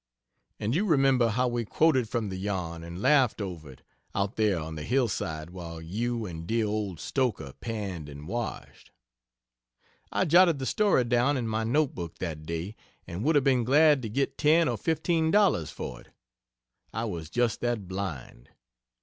And you remember how we quoted from the yarn and laughed over it, out there on the hillside while you and dear old Stoker panned and washed. I jotted the story down in my note book that day, and would have been glad to get ten or fifteen dollars for it I was just that blind.